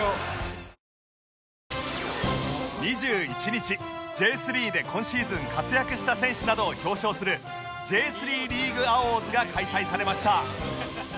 ２１日 Ｊ３ で今シーズン活躍した選手などを表彰する Ｊ３ リーグアウォーズが開催されました